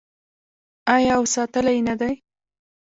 آیا او ساتلی یې نه دی؟